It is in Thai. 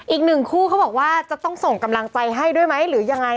อีกหนึ่งคู่เขาบอกว่าจะต้องส่งกำลังใจให้ด้วยไหมหรือยังไง